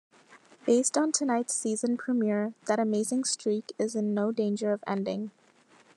Based on tonight's season premiere, that amazing streak is in no danger of ending.